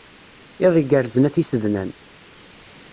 Iḍ igerrzen a tisednan.